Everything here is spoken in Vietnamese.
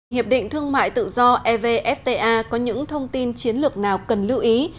hiệp định thương mại tự do evfta có những thông tin chiến lược nào cần lưu ý